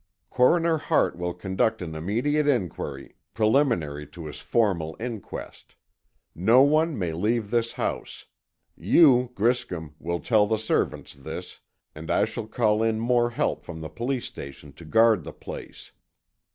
Coroner Hart will conduct an immediate inquiry, preliminary to his formal inquest. No one may leave the house; you, Griscom, will tell the servants this, and I shall call in more help from the police station to guard the place.